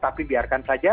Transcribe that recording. tapi biarkan saja